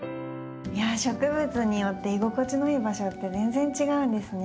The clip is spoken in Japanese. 植物によって居心地のいい場所って全然違うんですね。